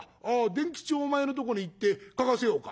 伝吉お前のとこに行って書かせようか」。